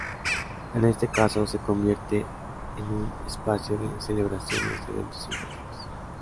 En este caso, se convierte en un espacio de celebraciones de eventos importantes.